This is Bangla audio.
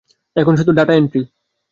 এখন শুধু ডাটা এনট্রি।